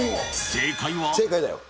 正解は。